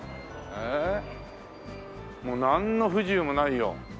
もうなんの不自由もないよ。